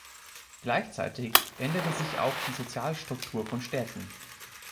Gleichzeitig änderte sich auch die Sozialstruktur von Städten.